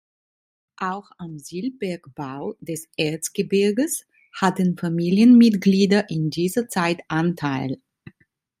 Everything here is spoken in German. Auch am Silberbergbau des Erzgebirges hatten Familienmitglieder in dieser Zeit Anteil.